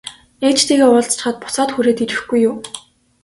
Ээжтэйгээ уулзчихаад буцаад хүрээд ирэхгүй юу?